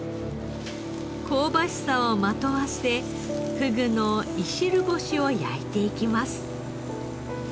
香ばしさをまとわせふぐのいしる干しを焼いていきます。